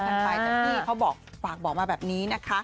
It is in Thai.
กันไปแต่พี่เขาบอกฝากบอกมาแบบนี้นะคะ